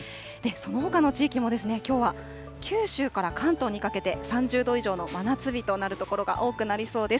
そのほかの地域もきょうは九州から関東にかけて、３０度以上の真夏日となる所が多くなりそうです。